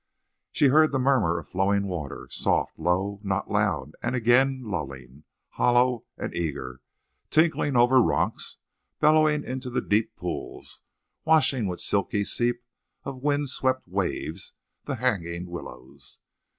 She heard the murmur of flowing water, soft, low, now loud, and again lulling, hollow and eager, tinkling over rocks, bellowing into the deep pools, washing with silky seep of wind swept waves the hanging willows.